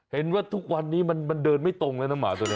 เห็นว่าทุกวันนี้มันเดินไม่ตรงเลยนะหมาตัวนี้